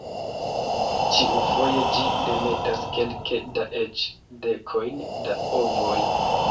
Ĉiufoje ĝi demetas kelke da eĉ dekojn da ovoj.